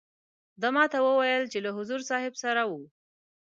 ده ما ته وویل چې له حضور صاحب سره وو.